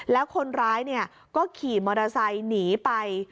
แล้วคนร้ายก็ขี่มอเตอร์ไซค์หนีไป